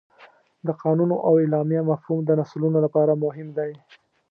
د قانون او اعلامیه مفهوم د نسلونو لپاره مهم دی.